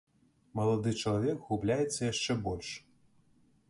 Малады чалавек губляецца яшчэ больш.